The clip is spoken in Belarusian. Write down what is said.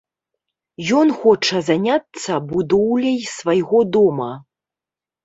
Ён хоча заняцца будоўляй свайго дома.